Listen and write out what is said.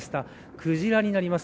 クジラになります。